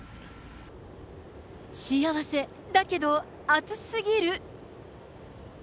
幸せだけど暑すぎる。